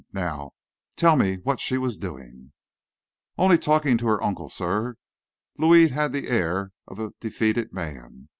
Now, tell me what she was doing." "Only talking to her uncle, sir." Louis had the air of a defeated man.